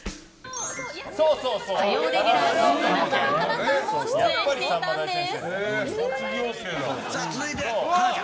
火曜レギュラーの花澤香菜さんも出演していたんです。